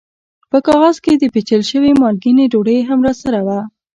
په کاغذ کې د پېچل شوې مالګینې ډوډۍ هم راسره وه.